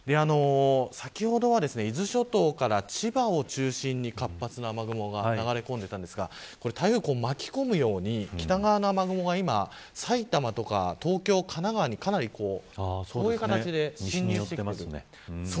先ほどは伊豆諸島から千葉を中心に活発な雨雲が流れ込んでいたんですが台風が巻き込むように北側の雨雲が埼玉とか東京、神奈川に侵入してきています。